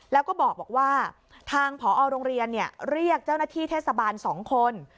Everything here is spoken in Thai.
แล้วก็บอกว่าทางผอโรงเรียนเรียกเจ้าหน้าที่เทศบาล๒คน